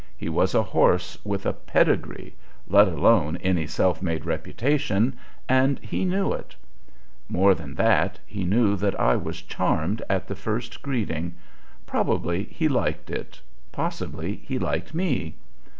He was a horse with a pedigree, let alone any self made reputation, and he knew it; more than that, he knew that I was charmed at the first greeting; probably he liked it, possibly he liked me.